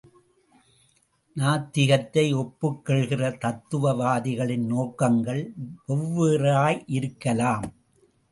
நாத்திகத்தை ஒப்புக்கொள்கிற தத்துவவாதிகளின் நோக்கங்கள் வெவ்வேறாயிருக்கலாம்.